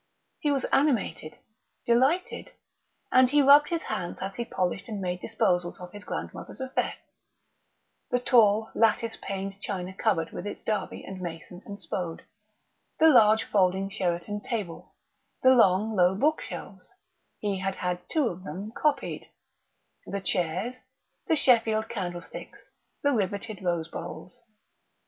He was animated, delighted; and he rubbed his hands as he polished and made disposals of his grandmother's effects the tall lattice paned china cupboard with its Derby and Mason and Spode, the large folding Sheraton table, the long, low bookshelves (he had had two of them "copied"), the chairs, the Sheffield candlesticks, the riveted rose bowls.